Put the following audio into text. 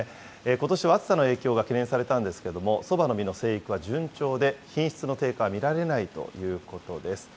ことしは暑さの影響が懸念されたんですけれども、そばの実の生育は順調で、品質の低下は見られないということです。